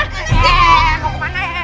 eh eh eh mau kemana